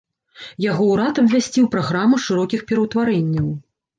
Яго ўрад абвясціў праграму шырокіх пераўтварэнняў.